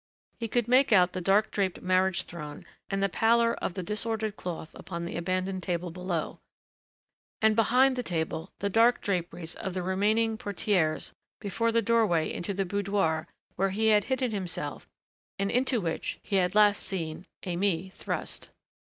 He could make out the dark draped marriage throne and the pallor of the disordered cloth upon the abandoned table below, and behind the table the dark draperies of the remaining portières before the doorway into the boudoir where he had hidden himself and into which he had last seen Aimée thrust.